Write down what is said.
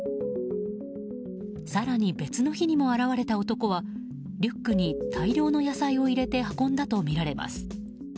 更に別の日にも現れた男はリュックに大量の野菜を入れて運んだとみられます。